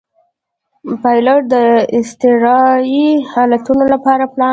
پیلوټ د اضطراري حالتونو لپاره پلان لري.